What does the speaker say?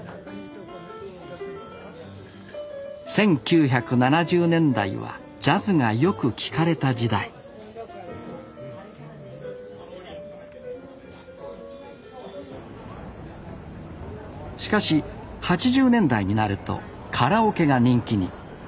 １９７０年代はジャズがよく聴かれた時代しかし８０年代になるとカラオケが人気に。